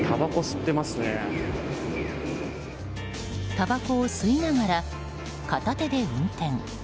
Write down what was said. たばこを吸いながら片手で運転。